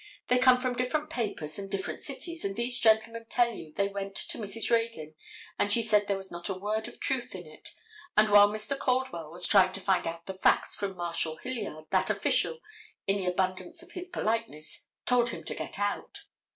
They came from different papers and different cities, and these gentlemen tell you they went to Mrs. Reagan and she said there was not a word of truth in it, and while Mr. Caldwell was trying to find out the facts from Marshal Hilliard, that official, in the abundance of his politeness, told him to get out.